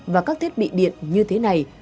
và các thiết bị điện như thế này